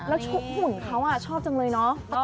แล้วหุ่นเขาชอบจังเลยเนาะ